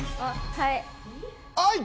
はい。